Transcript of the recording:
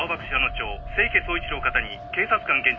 町清家総一郎方に警察官現着。